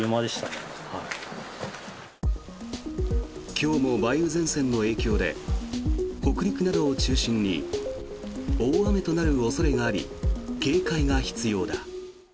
今日も梅雨前線の影響で北陸などを中心に大雨となる恐れがあり警戒が必要だ。